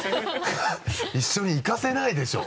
一緒に行かせないでしょ。